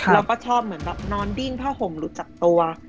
เราก็ชอบเหมือนแบบนอนดิ้นผ้าห่มหลุดจากตัว